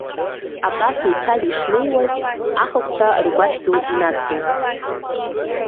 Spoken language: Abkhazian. Абас еицәажәо ишнеиуаз, ахыгәҳәа ргәашә ду инадгылт.